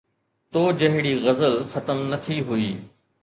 تو جهڙي غزل ختم نه ٿي هئي